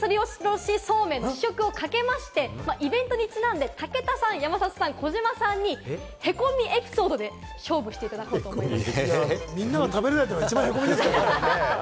この試食をかけまして、イベントにちなんで武田さん、山里さん、児嶋さんにへこみエピソードで勝負していただこうと思います。